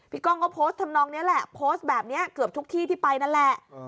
กล้องก็โพสต์ทำนองนี้แหละโพสต์แบบนี้เกือบทุกที่ที่ไปนั่นแหละ